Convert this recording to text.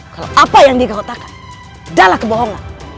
kalau apa yang dikakutakan adalah kebohongan